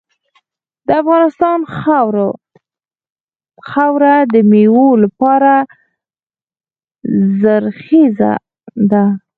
د افغانستان خاوره د میوو لپاره زرخیزه ده.